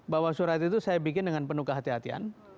bahwa surat itu saya bikin dengan penuh kehati hatian